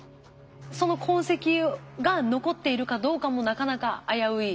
その痕跡が残っているかどうかもなかなか危うい。